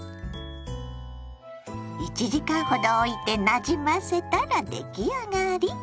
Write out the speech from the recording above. １時間ほどおいてなじませたら出来上がり！